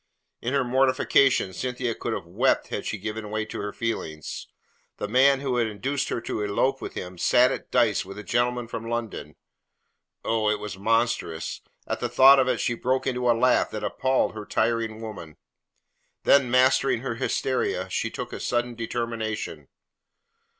In her mortification, Cynthia could have wept had she given way to her feelings. The man who had induced her to elope with him sat at dice with a gentleman from London! Oh, it was monstrous! At the thought of it she broke into a laugh that appalled her tiring woman; then mastering her hysteria, she took a sudden determination.